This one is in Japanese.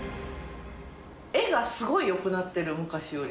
絵がすごいよくなってる、昔より。